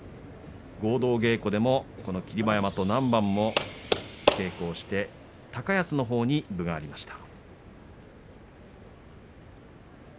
合同稽古でもこの霧馬山と何番も稽古をして高安のほうに分がありました。